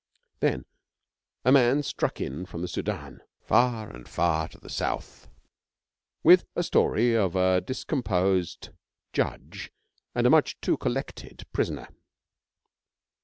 Then, a man struck in from the Sudan far and far to the south with a story of a discomposed judge and a much too collected prisoner.